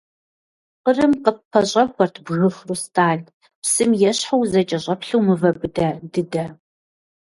Къырым къыппэщӏэхуэрт бгы хрусталь – псым ещхьу узэкӏэщӏэплъу мывэ быдэ дыдэ.